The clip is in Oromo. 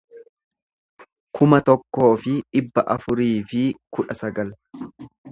kuma tokkoo fi dhibba afurii fi kudha sagal